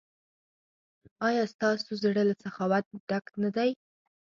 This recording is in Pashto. ایا ستاسو زړه له سخاوت ډک نه دی؟